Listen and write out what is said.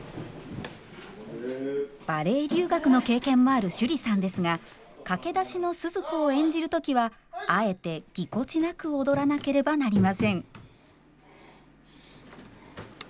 バレエ留学の経験もある趣里さんですが駆け出しのスズ子を演じる時はあえてぎこちなく踊らなければなりません。